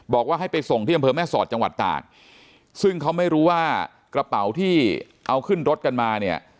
บอกว่าให้ไปส่งที่อำเภอแม่สอดจังหวัดตากซึ่งเขาไม่รู้ว่ากระเป๋าที่เอาขึ้นรถกันมาเนี่ย